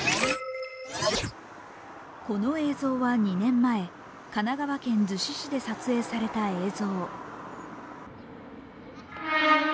この映像は２年前神奈川県逗子市で撮影された映像。